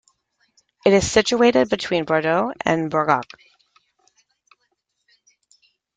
It is situated between Bordeaux and Bergerac.